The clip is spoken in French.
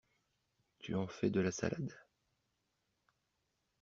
Tu en fais de la salade?